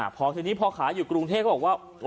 พอขายอยู่กรุงเทพฯก็บอกว่า